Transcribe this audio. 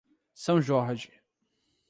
São Jorge